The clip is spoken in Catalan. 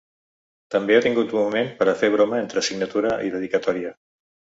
També ha tingut un moment per a fer broma entre signatura i dedicatòria.